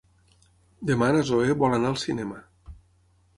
Demà na Zoè vol anar al cinema.